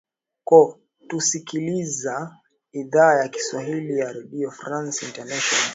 ko tusikiliza idhaa ya kiswahili ya redio france international